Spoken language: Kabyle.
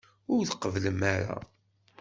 Ur tqebblem ara.